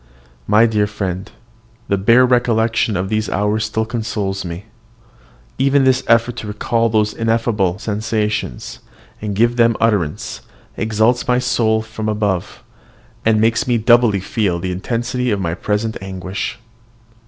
My dear friend, the bare recollection of those hours still consoles me. Even this effort to recall those ineffable sensations, and give them utterance, exalts my soul above itself, and makes me doubly feel the intensity of my present anguish.